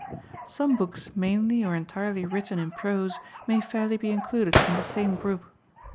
Some books mainly or entirely written in prose may fairly be included in the same group.